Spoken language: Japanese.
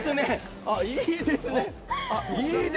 いいですね。